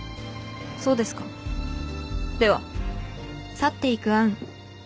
そうですかでは。